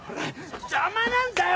邪魔なんだよ！